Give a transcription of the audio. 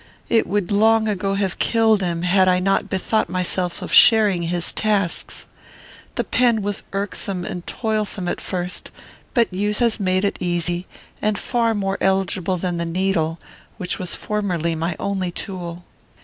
It would long ago have killed him, had I not bethought myself of sharing his tasks. The pen was irksome and toilsome at first, but use has made it easy, and far more eligible than the needle, which was formerly my only tool.